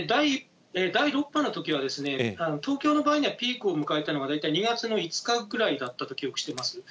第６波のときは、東京の場合にはピークを迎えたのが、大体２月の５日ぐらいだったと記憶しています。